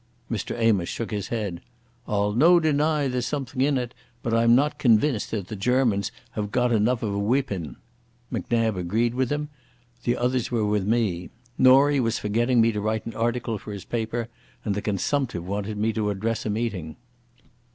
Mr Amos shook his head. "I'll no deny there's something in it, but I'm not convinced that the Germans have got enough of a wheepin'." Macnab agreed with him; the others were with me. Norie was for getting me to write an article for his paper, and the consumptive wanted me to address a meeting.